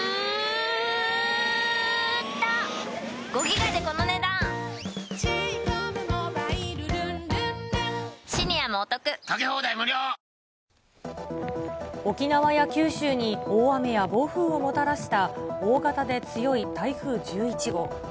沖縄や九州を北上し、沖縄や九州に大雨や暴風をもたらした大型で強い台風１１号。